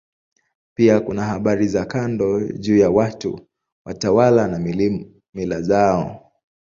Pia kuna habari za kando juu ya watu, watawala na mila zao.